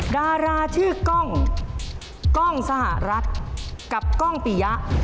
ดาราชื่อกล้องกล้องสหรัฐกับกล้องปียะ